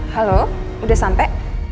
halo udah sampe